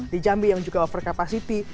di jambi yang juga over capacity